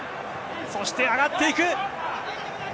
そして上がっていく！